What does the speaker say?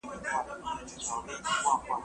زه مخکي خبري کړي وو!؟